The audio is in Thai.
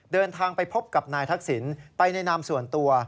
เดินทางไปพบกับนายทักษิณไปในนามส่วนตัว